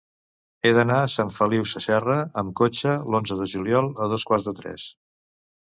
He d'anar a Sant Feliu Sasserra amb cotxe l'onze de juliol a dos quarts de tres.